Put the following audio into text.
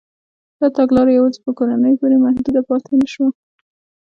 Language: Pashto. دا تګلاره یوازې په کورنیو پورې محدوده پاتې نه شوه.